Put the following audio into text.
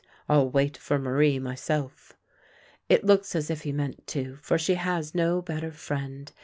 " I'll wait for ]SIarie myself." It looks as if he meant to, for she has no better friend.